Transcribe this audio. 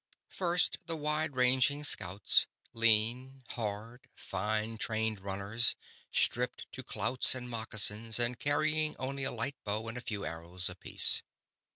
First the wide ranging scouts: lean, hard, fine trained runners, stripped to clouts and moccasins and carrying only a light bow and a few arrows apiece.